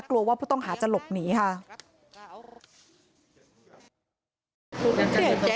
กลัวว่าผู้ต้องหาจะหลบหนีค่ะ